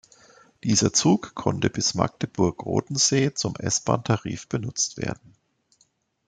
Dieser Zug konnte bis Magdeburg-Rothensee zum S-Bahn-Tarif benutzt werden.